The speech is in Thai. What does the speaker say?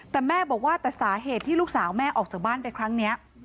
แต่แม่บอกว่าแต่สาเหตุที่ลูกสาวแม่ออกจากบ้านไปครั้งนี้